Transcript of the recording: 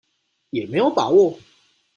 也沒有把握